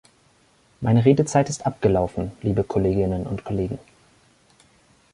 Meine Redezeit ist abgelaufen, liebe Kolleginnen und Kollegen.